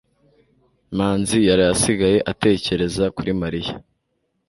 manzi yaraye asigaye atekereza kuri mariya